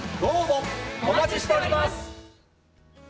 お待ちしております！